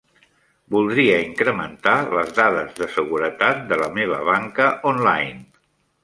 Voldria incrementar les dades de seguretat de la meva banca online.